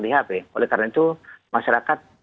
di hp oleh karena itu masyarakat